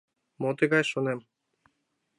Мо тыгай, шонем.